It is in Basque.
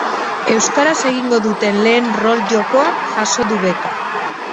Euskaraz egingo duten lehen rol jokoak jaso du beka.